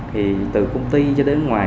thì từ công ty cho đến ngoài